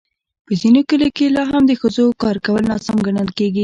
په ځینو کلیو کې لا هم د ښځو کار کول ناسم ګڼل کېږي.